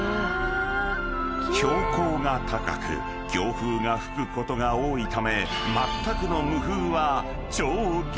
［標高が高く強風が吹くことが多いためまったくの］